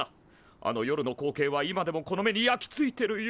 あの夜の光景は今でもこの目に焼き付いてるよ。